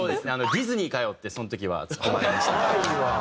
「ディズニーかよ！」ってその時はツッコまれました。